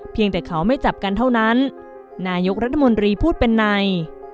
เพียงแต่เขาไม่จับกันเท่านั้นนายกรัฐมนตรีพูดเป็นใน